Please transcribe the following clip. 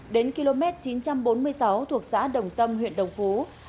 đến km chín trăm bốn mươi sáu thuộc xã đồng tâm huyện đồng phú